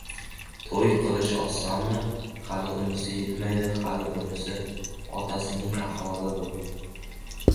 To‘y qilish osonmi? Hali unisi yetmaydi, hali bunisi... Otasining ahvoli bu